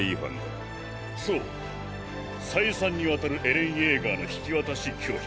そう再三にわたるエレン・イェーガーの引き渡し拒否